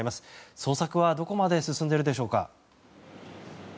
捜索はどこまで進んでいるでしょうか。